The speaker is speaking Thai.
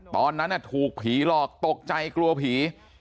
ตอนนั้นถูกผีหลอกตกใจกลัวผี